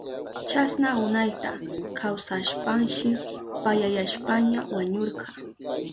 Chasna unayta kawsashpanshi payayashpaña wañurka.